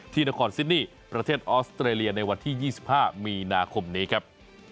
นครซินี่ประเทศออสเตรเลียในวันที่๒๕มีนาคมนี้ครับ